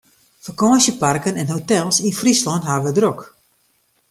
Fakânsjeparken en hotels yn Fryslân hawwe it drok.